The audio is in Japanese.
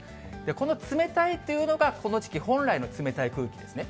この冷たいというのがこの時期本来の冷たい空気ですね。